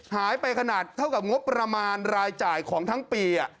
หายไปขนาดเท่ากับงบประมาณรายจ่ายของทั้งปี